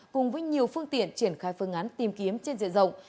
cùng với nhiều phương tiện triển khai phương án tìm kiếm trên diện rộng